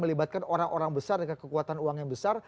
melibatkan orang orang besar dengan kekuatan uang yang besar